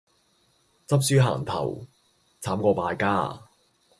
執輸行頭,慘過敗家